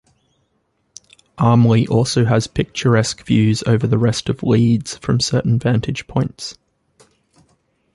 Armley also has picturesque views over the rest of Leeds from certain vantage points.